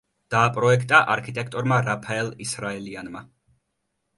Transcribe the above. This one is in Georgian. დააპროექტა არქიტექტორმა რაფაელ ისრაელიანმა.